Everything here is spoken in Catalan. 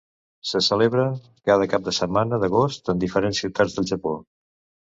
Se celebra cada cap de setmana d'agost en diferents ciutats del Japó.